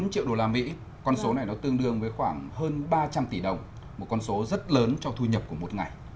một mươi bốn triệu đô la mỹ con số này nó tương đương với khoảng hơn ba trăm linh tỷ đồng một con số rất lớn cho thu nhập của một ngày